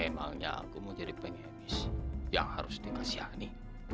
emangnya aku mau jadi pengemis yang harus dikasihani